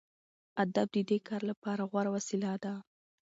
ادب د دې کار لپاره غوره وسیله ده.